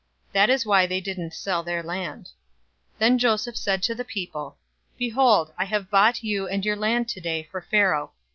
That is why they didn't sell their land. 047:023 Then Joseph said to the people, "Behold, I have bought you and your land today for Pharaoh.